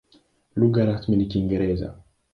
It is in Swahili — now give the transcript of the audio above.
Lugha rasmi ni Kiingereza.